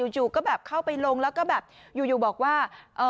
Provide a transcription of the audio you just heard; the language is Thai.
อยู่ก็แบบเข้าไปลงแล้วก็แบบอยู่บอกว่า